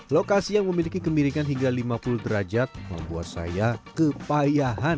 lokasi yang memiliki kemiringan hingga lima puluh derajat membuat saya kepayahan